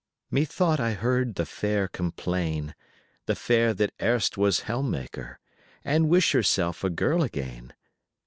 METHOUGHT I heard the fair complain —The fair that erst was helm maker— And wish herself a girl again.